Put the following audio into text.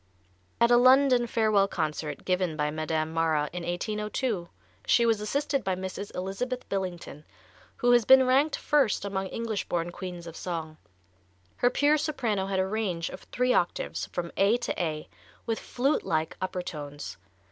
At a London farewell concert given by Madame Mara in 1802, she was assisted by Mrs. Elizabeth Billington, who has been ranked first among English born queens of song. Her pure soprano had a range of three octaves, from A to A, with flute like upper tones.